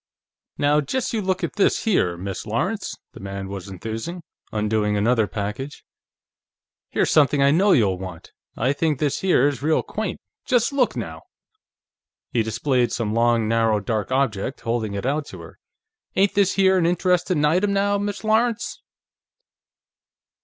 "Now, just you look at this here, Miss Lawrence," the man was enthusing, undoing another package. "Here's something I know you'll want; I think this here is real quaint! Just look, now!" He displayed some long, narrow, dark object, holding it out to her. "Ain't this here an interestin' item, now, Miss Lawrence?"